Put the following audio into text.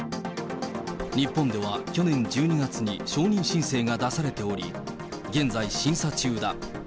日本では去年１２月に承認申請が出されており、現在、審査中だ。